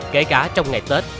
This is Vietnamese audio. kể cả trong ngày tết